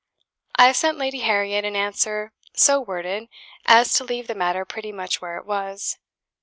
I have sent Lady Harriette an answer so worded as to leave the matter pretty much where it was.